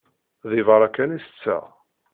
Deg berra kan i tetteɣ.